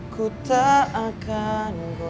ku tak akan mundur